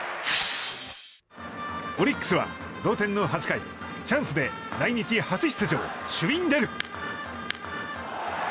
オリックスは同点の８回チャンスで来日初出場、シュウィンデル。